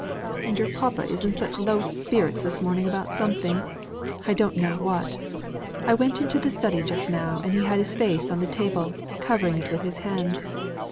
And your papa is in such low spirits this morning about something I don't know what. I went into the study just now, and he had his face on the table, covering it with his hands.